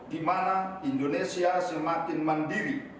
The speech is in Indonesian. dimana indonesia semakin mandiri